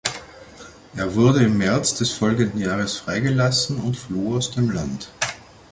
Er wurde im März des folgenden Jahres freigelassen und floh aus dem Land.